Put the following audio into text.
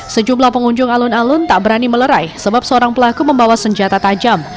sejumlah pengunjung alun alun tak berani melerai sebab seorang pelaku membawa senjata tajam